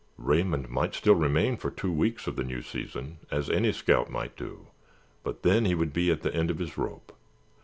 Raymond might still remain for two weeks of the new season as any scout might do, but then he would be at the end of his rope.